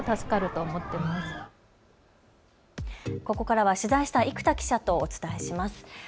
ここからは取材した生田記者とお伝えします。